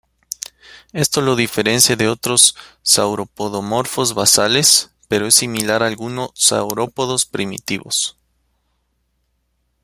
Esto lo diferencia de otros sauropodomorfos basales pero es similar a alguno saurópodos primitivos.